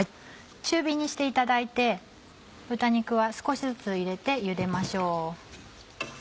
中火にしていただいて豚肉は少しずつ入れてゆでましょう。